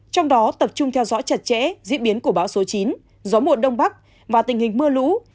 trong đó tập trung theo dõi chặt chẽ diễn biến của bão số chín gió mùa đông bắc và tình hình mưa lũ